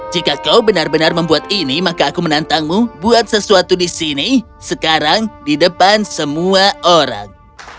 jika kau benar benar membuat ini maka aku menantangmu buat sesuatu di sini sekarang di depan semua orang